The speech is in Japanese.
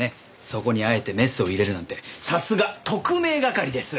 そこにあえてメスを入れるなんてさすが特命係です！